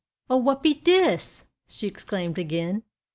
"O, what be dis!" she exclaimed again.